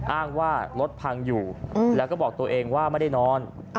อ้างว่ารถพังอยู่แล้วก็บอกตัวเองว่าไม่ได้นอน